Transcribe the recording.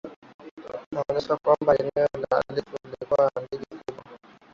inaonyesha kwamba eneo la wahalifu lilikuwa na handaki kubwa